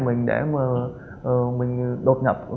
mình đột nhập